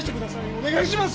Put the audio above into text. お願いします！